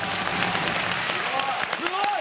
すごい！